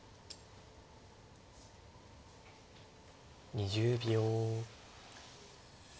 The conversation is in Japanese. ２０秒。